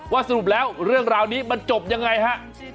สรุปแล้วเรื่องราวนี้มันจบยังไงฮะ